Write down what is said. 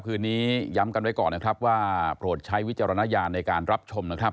คืนนี้ย้ำกันไว้ก่อนนะครับว่าโปรดใช้วิจารณญาณในการรับชมนะครับ